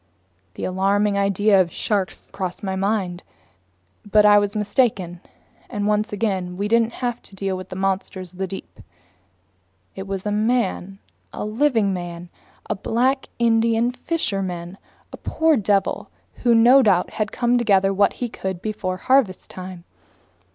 The alarming idea of sharks crossed my mind. But I was mistaken, and once again we didn't have to deal with monsters of the deep. It was a man, a living man, a black Indian fisherman, a poor devil who no doubt had come to gather what he could before harvest time.